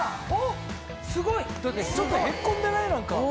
すごい！だってちょっとへっこんでない？